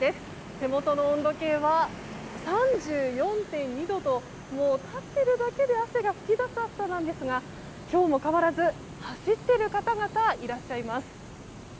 手元の温度計は３４．２度ともう立っているだけで汗が噴き出す暑さなんですが今日も変わらず走っている方々がいらっしゃいます。